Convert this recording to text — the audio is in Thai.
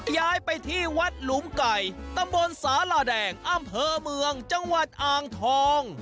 ย้ายไปที่วัดหลุมไก่ตำบลสาหร่าแดงอำเภอเมืองจังหวัดอ่างทอง